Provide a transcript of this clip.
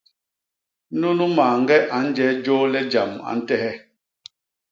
Nunu mañge a nje jôôle jam a ntehe.